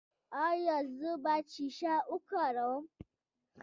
ایا زه باید شیشه وکاروم؟